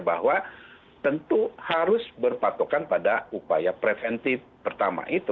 bahwa tentu harus berpatokan pada upaya preventif pertama itu